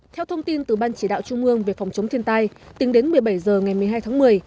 theo thông tin từ ban chỉ đạo trung ương về phòng chống thiên tai tính đến một mươi bảy h ngày một mươi hai tháng một mươi